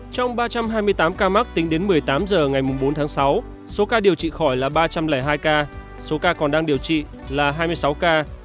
trong ba trăm hai mươi tám ca mắc tính đến một mươi tám h ngày bốn tháng sáu số ca điều trị khỏi là ba trăm linh hai ca số ca còn đang điều trị là hai mươi sáu ca